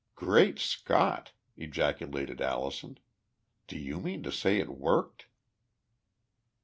"Great Scott!" ejaculated Allison. "Do you mean to say it worked?"